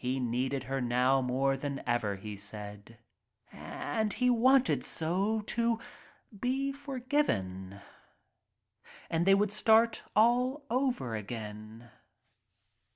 He needed her now more than ever, he said. And he wanted so to be forgiven — and they would start all over again.